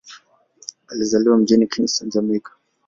Alizaliwa mjini Kingston, Jamaika.